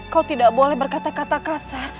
kau tidak boleh berkata kata kasar